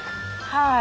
はい。